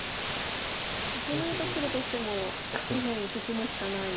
そうなると黒としても右辺進むしかない。